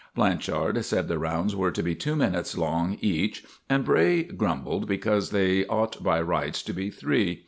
Blanchard said the rounds were to be two minutes long each, and Bray grumbled because they ought by rights to be three.